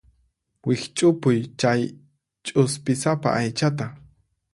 Wikch'upuy chay ch'uspisapa aychata.